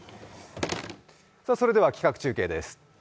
それでは企画中継です。